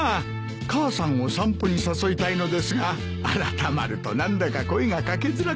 母さんを散歩に誘いたいのですが改まると何だか声が掛けづらくて。